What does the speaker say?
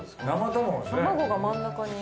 卵が真ん中に。